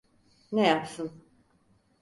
Ne yapsın?